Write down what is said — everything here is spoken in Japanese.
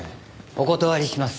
お断りします。